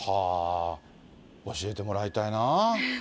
教えてもらいたいな。